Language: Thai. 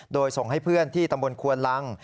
โดยส่งให้เพื่อนที่ตำบลควนลัง